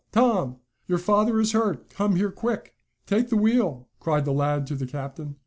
Tom! Your father is hurt! Come here, quick!" "Take the wheel!" cried the lad to the captain.